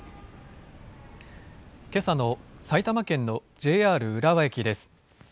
けさの埼玉県のＪＲ浦和駅です。